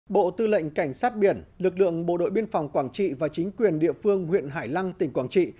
bộ tư lệnh cảnh sát biển lực lượng bộ đội biên phòng quảng trị và chính quyền địa phương huyện hải lăng tỉnh quảng trị